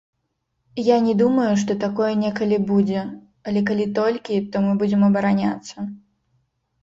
Я не думаю, што такое некалі будзе, але калі толькі, то мы будзем абараняцца.